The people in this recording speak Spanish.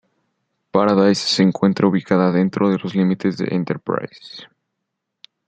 Paradise se encuentra ubicada dentro de los límites de Enterprise.